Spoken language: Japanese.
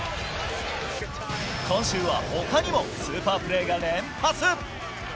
今週はほかにも、スーパープレーが連発。